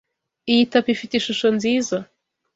Iyi tapi ifite ishusho nziza.